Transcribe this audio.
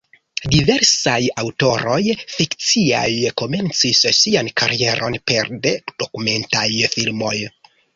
Diversaj aŭtoroj fikciaj komencis sian karieron pere de dokumentaj filmoj.